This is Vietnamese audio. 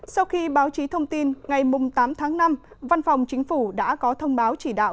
sau khi báo chí thông tin ngày tám tháng năm văn phòng chính phủ đã có thông báo chỉ đạo